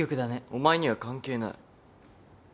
お前には関係ない。